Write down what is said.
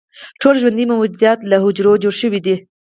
ټول ژوندي موجودات له حجرو څخه جوړ شوي دي